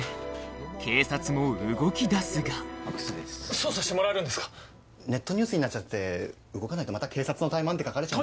捜査してもらえるんですか⁉ネットニュースになっちゃって動かないとまた「警察の怠慢」って書かれちゃう。